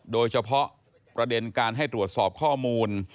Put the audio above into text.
โดยเฉพาะประเด็นการให้ตรวจสอบข้อมูล